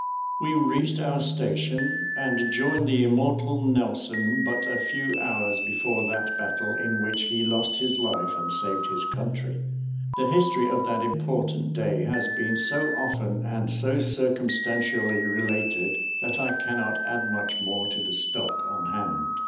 We reached our station, and joined the immortal Nelson but a few hours before that battle in which he lost his life and saved his country. The history of that important day has been so often and so circumstantially related, that I cannot add much more to the stock on hand.